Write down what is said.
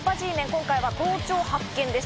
今回は、盗聴発見です。